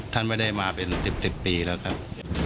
ท่านไม่ได้มาเป็น๑๐ปีแล้วครับ